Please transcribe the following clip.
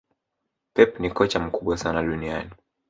pep ni kocha mkubwa sana duniani